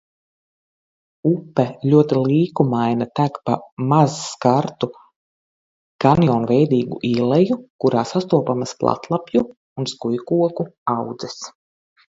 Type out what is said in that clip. Upe ļoti līkumaina, tek pa mazskartu kanjonveidīgu ieleju, kurā sastopamas platlapju un skujkoku audzes.